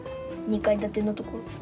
２階建てのとこ。